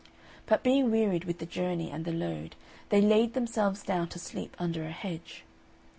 But being wearied with the journey and the load, they laid themselves down to sleep under a hedge.